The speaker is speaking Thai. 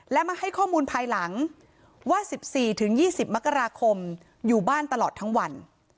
และมาให้ข้อมูลภายหลังว่า๑๔๒๐มกราคมอยู่บ้านตลอดทั้งวัน